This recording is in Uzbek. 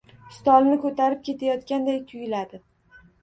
Stolini ko‘tarib ketayotganday tuyuladi.